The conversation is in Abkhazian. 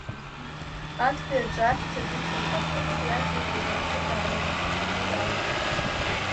Актәи аҿы ахьча дыцәоуп, асыԥса иаҿыҩрыз абжьы даанарԥшит, игәы иалоу…